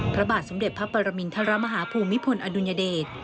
พระบาทสมเด็จพระปรมินทรมาฮาภูมิพลอดุลยเดช